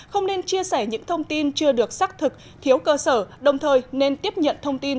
không nên chia sẻ những thông tin chưa được xác thực thiếu cơ sở đồng thời nên tiếp nhận thông tin